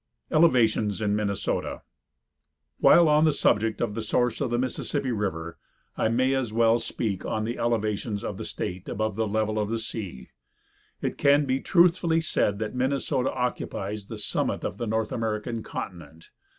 ELEVATIONS IN MINNESOTA. While on the subject of the source of the Mississippi river, I may as well speak of the elevations of the state above the level of the sea. It can be truthfully said that Minnesota occupies the summit of the North American continent.